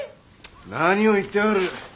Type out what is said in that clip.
何を言ってやがる。